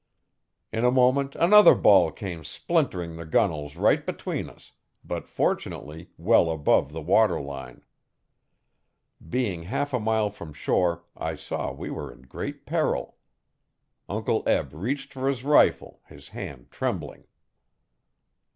In a moment another ball came splintering the gunwales right between us, but fortunately, well above the water line. Being half a mile from shore I saw we were in great peril. Uncle Eb reached for his rifle, his hand trembling.